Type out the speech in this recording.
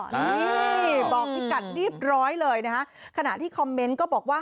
นี่บอกพี่กัดเรียบร้อยเลยนะคะขณะที่คอมเมนต์ก็บอกว่า